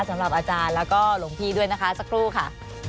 สำหรับอาจารย์แล้วก็หลวงพี่ด้วยนะคะสักครู่ค่ะ